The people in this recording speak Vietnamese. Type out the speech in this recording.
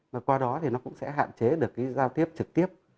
và qua đó thì nó cũng sẽ hạn chế được cái giao tiếp trực tiếp